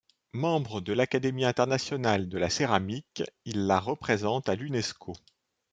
Membre de l’Académie internationale de la céramique, il la représente à l’Unesco.